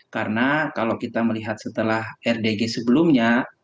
karena kalau kita melihat setelah rdg sebelumnya